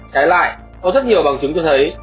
trái lại có rất nhiều bằng chứng cho thấy